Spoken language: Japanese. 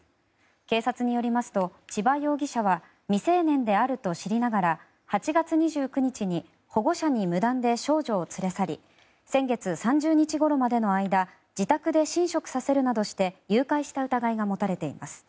警察によりますと千葉容疑者は未成年であると知りながら８月２９日に保護者に無断で少女を連れ去り先月３０日ごろまでの間自宅で寝食させるなどして誘拐した疑いが持たれています。